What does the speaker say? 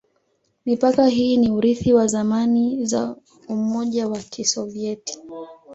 Mipaka hii ni urithi wa zamani za Umoja wa Kisovyeti.